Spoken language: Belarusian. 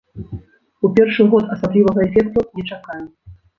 У першы год асаблівага эфекту не чакаю.